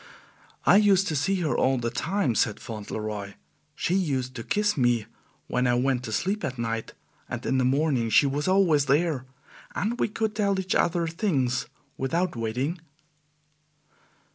"I used to see her all the time," said Fauntleroy. "She used to kiss me when I went to sleep at night, and in the morning she was always there, and we could tell each other things without waiting."